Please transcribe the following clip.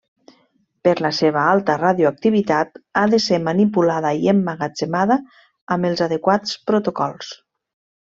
Per la seva alta radioactivitat ha de ser manipulada i emmagatzemada amb els adequats protocols.